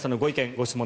・ご質問